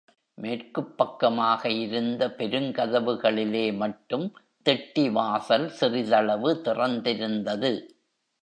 மேற்குப் பக்கமாக இருந்த பெருங்கதவுகளிலே மட்டும் திட்டிவாசல் சிறிதளவு திறந்திருந்தது.